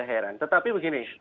ingin mengingatkan tetapi begini